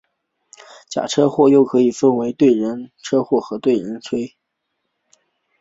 假车祸又可以分为车对车或人对车。